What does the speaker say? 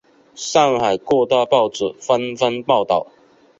上海各大报纸纷纷报道。